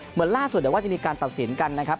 เหมือนล่าสุดเดี๋ยวว่าจะมีการตัดสินกันนะครับ